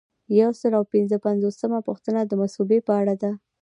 یو سل او پنځه پنځوسمه پوښتنه د مصوبې په اړه ده.